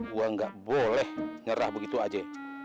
gua gak boleh nyerah begitu aja